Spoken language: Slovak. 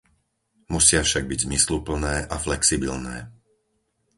Musia však byť zmysluplné a flexibilné.